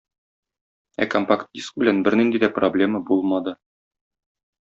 Ә компакт-диск белән бернинди дә проблема булмады.